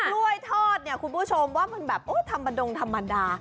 กล้วยทอดคุณผู้ชมว่ามันแบบธรรมดงธรรมดา